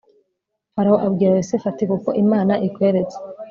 farawo abwira yosefu ati kuko imana ikweretse